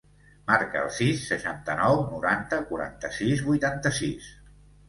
Marca el sis, seixanta-nou, noranta, quaranta-sis, vuitanta-sis.